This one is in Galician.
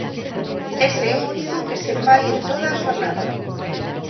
Ese é o único que se fai en toda a xornada.